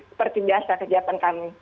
seperti biasa kegiatan kami